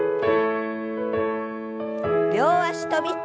両脚跳び。